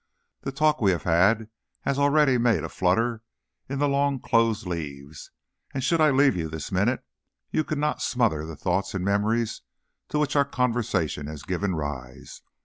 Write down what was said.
The talk we have had has already made a flutter in the long closed leaves, and should I leave you this minute you could not smother the thoughts and memories to which our conversation has given rise.